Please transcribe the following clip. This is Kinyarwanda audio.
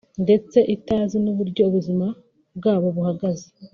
ndetse itazi n’uburyo ubuzima bwabo buhagaze